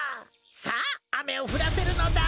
さああめをふらせるのだ。